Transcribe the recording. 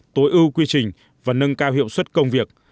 tối ưu quy trình và nâng cao hiệu suất công việc